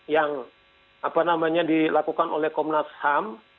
yang dilakukan oleh komnas ham